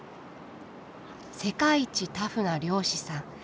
世界一タフな漁師さん。